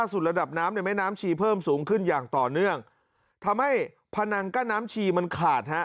สุดระดับน้ำในแม่น้ำชีเพิ่มสูงขึ้นอย่างต่อเนื่องทำให้พนังกั้นน้ำชีมันขาดฮะ